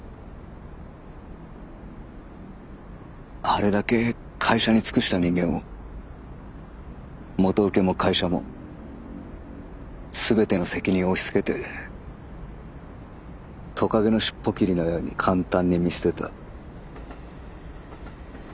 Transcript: あれだけ会社に尽くした人間を元請けも会社も全ての責任を押しつけてとかげの尻尾きりのように簡単に見捨てた。